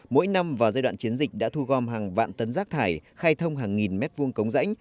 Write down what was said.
mỗi năm vào giai đoạn chiến dịch đã thu gom hàng vạn tấn rác thải khai thông hàng nghìn mét vuông cống rãnh